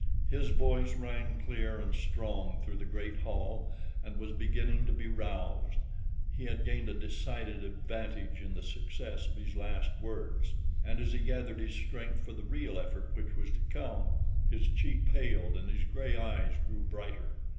His voice rang clear and strong through the great hall, and he was beginning to be roused. He had gained a decided advantage in the success of his last words, and as he gathered his strength for the real effort which was to come, his cheek paled and his gray eyes grew brighter.